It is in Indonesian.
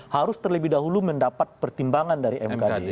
harus terlebih dahulu mendapat pertimbangan dari mkd